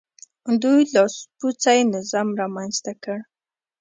دوی لاسپوڅی نظام رامنځته کړ.